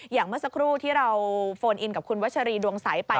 เมื่อสักครู่ที่เราโฟนอินกับคุณวัชรีดวงใสไป